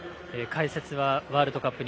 解説はワールドカップ